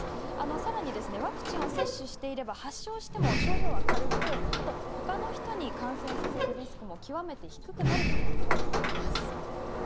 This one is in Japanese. さらにワクチンを接種してると発症しても症状は軽くほかの人に感染させるリスクも極めて低くなるといわれています。